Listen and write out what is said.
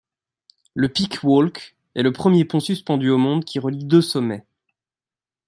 Le Peak Walk est le premier pont suspendu au monde qui relie deux sommets.